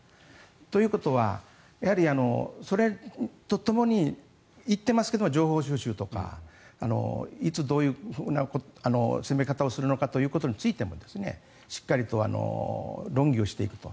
ということはやはりそれとともに言っていますが情報収集とかいつ、どういう攻め方をするのかということについてもしっかりと論議をしていくと。